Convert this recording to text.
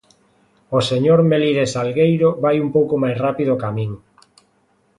O señor Melide Salgueiro vai un pouco máis rápido ca min.